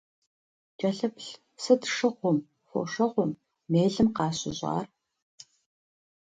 КӀэлъыплъ, сыт шыгъум, фошыгъум, мелым къащыщӀар?